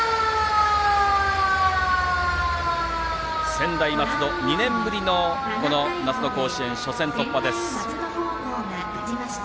専大松戸、２年ぶりの夏の甲子園初戦突破です。